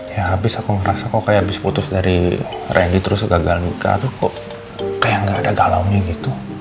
ya habis aku ngerasa kok kayak habis putus dari ready terus gagal nikah tuh kok kayak gak ada galaunya gitu